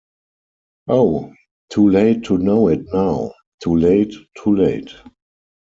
Oh, too late to know it now, too late, too late.